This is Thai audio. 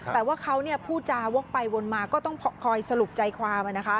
แต่ว่าเขาพูดจาวกไปวนมาก็ต้องคอยสรุปใจความ